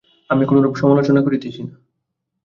আমি কোনরূপ সমালোচনা করিতেছি না।